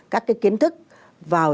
các cái kiến thức vào